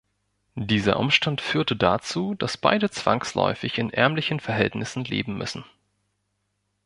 Dieser Umstand führte dazu, dass beide zwangsläufig in ärmlichen Verhältnissen leben müssen.